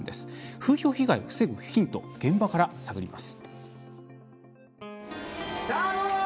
風評被害を防ぐヒントを現場から探ります。